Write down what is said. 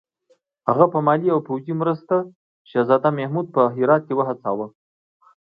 هغه په مالي او پوځي مرستو شهزاده محمود په هرات کې وهڅاوه.